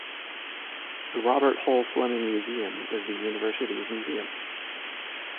The Robert Hull Fleming Museum is the university's museum.